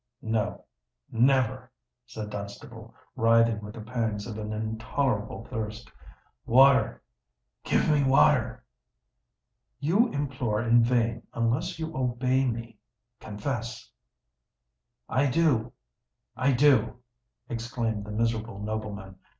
"No—never!" said Dunstable, writhing with the pangs of an intolerable thirst. "Water—give me water!" "You implore in vain, unless you obey me. Confess——" "I do—I do!" exclaimed the miserable nobleman.